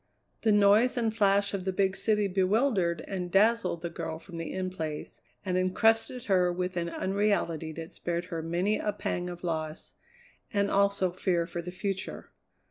The noise and flash of the big city bewildered and dazzled the girl from the In Place and encrusted her with an unreality that spared her many a pang of loss, and also fear for the future.